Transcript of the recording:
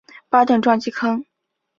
巴顿撞击坑